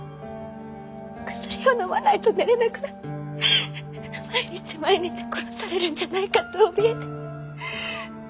薬を飲まないと寝れなくなって毎日毎日殺されるんじゃないかって怯えて。